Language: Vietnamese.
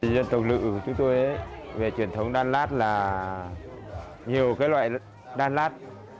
dân tộc lự của chúng tôi về truyền thống đan lát là nhiều loại đan lát